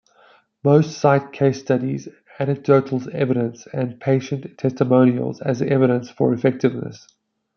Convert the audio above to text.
Most cite case studies, anecdotal evidence, and patient testimonials as evidence for effectiveness.